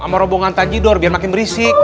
sama rombongan tajidor biar makin berisik